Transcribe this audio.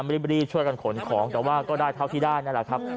รีบช่วยกันขนของแต่ว่าก็ได้เท่าที่ได้นั่นแหละครับ